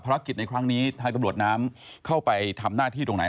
ในครั้งนี้ทางตำรวจน้ำเข้าไปทำหน้าที่ตรงไหน